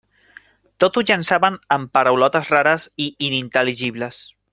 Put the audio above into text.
Tot ho llançaven amb paraulotes rares i inintel·ligibles.